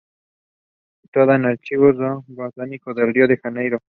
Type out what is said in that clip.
Sustituía a "Archivos do Jardim Botânico do Rio de Janeiro".